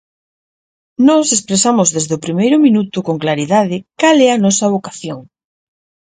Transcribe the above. Nós expresamos desde o primeiro minuto con claridade cal é a nosa vocación.